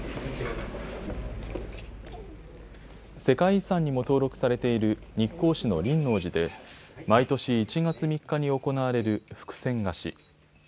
世界遺産にも登録されている日光市の輪王寺で毎年１月３日に行われる福銭貸し。